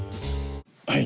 はい。